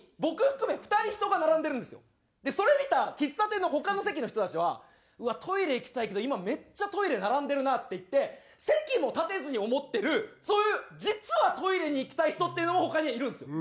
それ見た喫茶店の他の席の人たちはうわっトイレ行きたいけど今めっちゃトイレ並んでるなっていって席も立てずに思ってるそういう実はトイレに行きたい人っていうのも他にはいるんですよ。